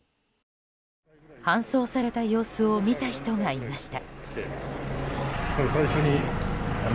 搬送された様子を見た人がいました。